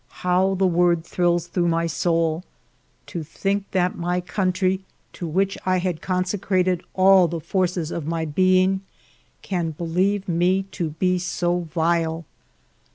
How the word thrills through my ALFRED DREYFUS 147 soul ! To think that my country, to which I had consecrated all the forces of my being, can believe me to be so vile.